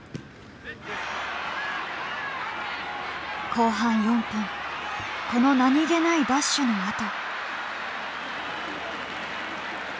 後半４分この何気ないダッシュのあと。